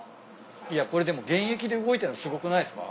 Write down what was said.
いやこれでも現役で動いてんのすごくないっすか？